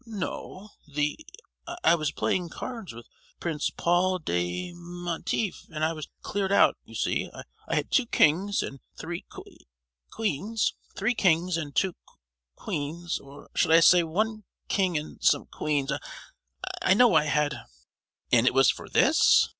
"No;—the—I was playing cards with Prince Paul De—mentieff, and I was cleared out: you see, I had two kings and three quee—ns, three kings and two qu—eens; or I should say—one king—and some queens—I know I had——." "And it was for this?